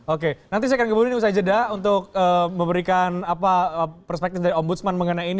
oke nanti saya akan ke bundi ini usai jeda untuk memberikan perspektif dari om budsman mengenai ini